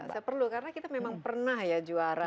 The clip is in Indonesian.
saya perlu karena kita memang pernah ya juara